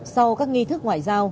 sau các nghi thức ngoại giao